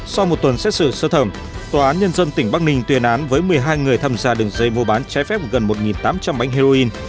sau một tuần xét xử sơ thẩm tòa án nhân dân tỉnh bắc ninh tuyên án với một mươi hai người tham gia đường dây mua bán trái phép gần một tám trăm linh bánh heroin